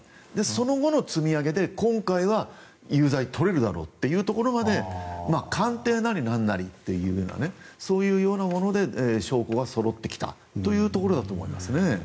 その後の積み上げで今回は有罪、取れるだろうというところまで鑑定なりなんなりというそういうもので証拠がそろってきたというところだと思いますね。